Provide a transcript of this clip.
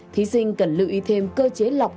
thí sinh cần lưu ý thêm cơ chế lọc